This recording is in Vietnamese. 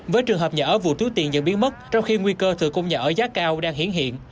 với trường hợp nhà ở vụ tiếu tiền nhận biến mất trong khi nguy cơ thừa cung nhà ở giá cao đang hiển hiện